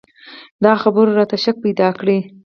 د هغه خبرو راته شک پيدا کړ.